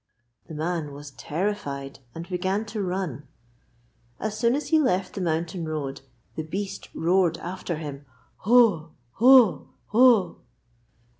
The man was terrified and began to run. As soon as he left the mountain road the beast roared after him: 'Hoa, hoa, hoa!'